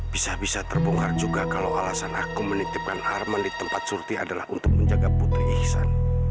bisa bisa terbongkar juga kalau alasan aku menitipkan arman di tempat surti adalah untuk menjaga putri ihsan